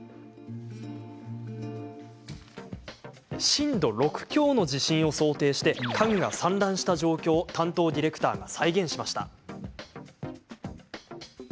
震度６強の地震を想定して家具が散乱した状況を担当ディレクターが再現しました。